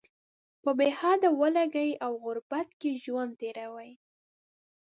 په بې حده ولږې او غربت کې ژوند تیروي.